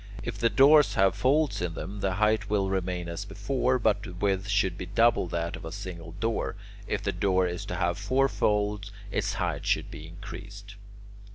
If the doors have folds in them, the height will remain as before, but the width should be double that of a single door; if the door is to have four folds, its height should be increased.